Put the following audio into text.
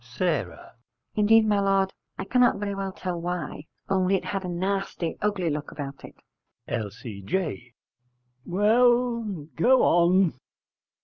S. Indeed, my lord, I cannot very well tell why: only it had a nasty ugly look about it. L.C.J. Well, go on.